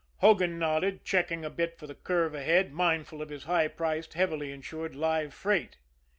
Hogan nodded, checking a bit for the curve ahead, mindful of his high priced, heavily insured live freight.